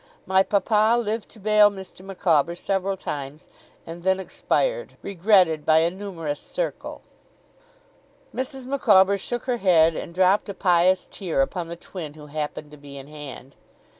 My papa lived to bail Mr. Micawber several times, and then expired, regretted by a numerous circle.' Mrs. Micawber shook her head, and dropped a pious tear upon the twin who happened to be in hand.